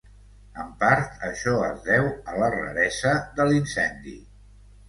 En part, això es deu a la raresa de l"incendi.